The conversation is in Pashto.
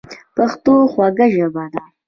پښتو خوږه ژبه ده